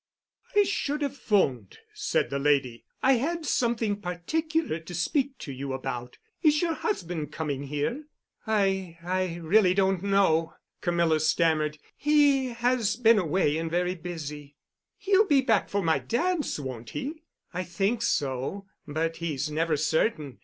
"I should have 'phoned," said the lady. "I had something particular to speak to you about. Is your husband coming here?" "I—I really don't know," Camilla stammered. "He has been away and very busy." "He'll be back for my dance, won't he?" "I think so—but he's never certain.